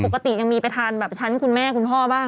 ปกติยังมีไปทานแบบชั้นคุณแม่คุณพ่อบ้าง